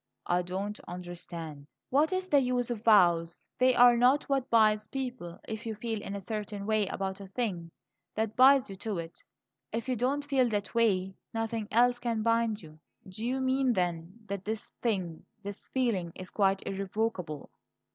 "I don't understand " "What is the use of vows? They are not what binds people. If you feel in a certain way about a thing, that binds you to it; if you don't feel that way, nothing else can bind you." "Do you mean, then, that this thing this feeling is quite irrevocable?